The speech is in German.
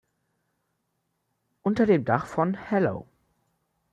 Unter dem Dach von "Hello!